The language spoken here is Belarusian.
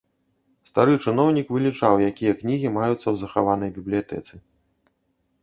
Стары чыноўнік вылічаў, якія кнігі маюцца ў захаванай бібліятэцы.